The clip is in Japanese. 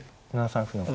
７三歩の。